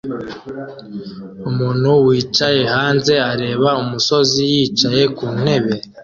Umuntu wicaye hanze areba umusozi yicaye ku ntebe